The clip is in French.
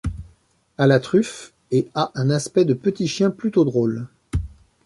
À la truffe et à un aspect de petit chien plutôt drôle.